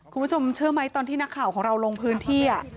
คุณผู้ชมเชื่อไหมตอนที่นักข่าวของเราลงพื้นที่